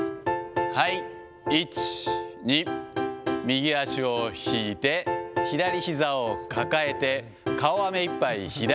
はい、１、２、右足を引いて、左ひざを抱えて、顔はめいっぱい左。